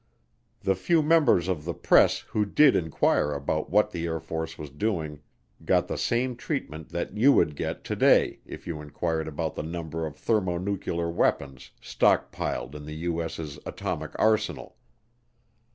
The few members of the press who did inquire about what the Air Force was doing got the same treatment that you would get today if you inquired about the number of thermonuclear weapons stock piled in the U.S.'s atomic arsenal.